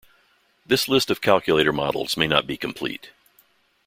This list of calculator models may not be complete.